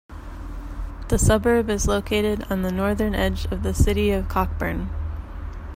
The suburb is located on the northern edge of the City of Cockburn.